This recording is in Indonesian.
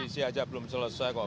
oh kualisi aja belum selesai kok